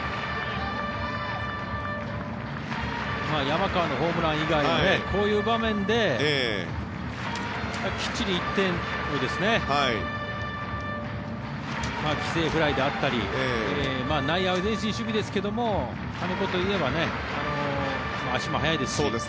山川のホームラン以外にもこういう場面で、きっちり１点を犠牲フライであったり内野は前進守備ですけど金子といえば足も速いですし。